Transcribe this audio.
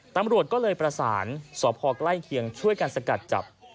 ตำรวจก็เลยประสานสพใกล้เคียงช่วยกันสกัดจับ